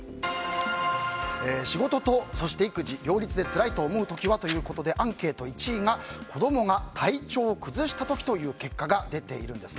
仕事と育児、両立でつらいと思う時は？というアンケートで１位は子供が体調を崩した時という結果が出ているんです。